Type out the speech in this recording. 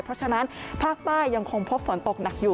เพราะฉะนั้นภาคใต้ยังคงพบฝนตกหนักอยู่